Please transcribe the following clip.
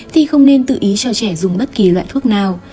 thì không nên tự ý cho trẻ dùng bất kỳ loại thuốc nào